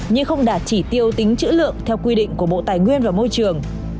nhưng không đạt chỉ tiêu tính chữ lượng theo quy định của bộ tài nguyên và môi trường